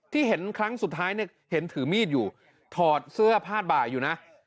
เห็นครั้งสุดท้ายเนี่ยเห็นถือมีดอยู่ถอดเสื้อผ้าบ่าอยู่นะ